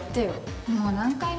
もう何回目？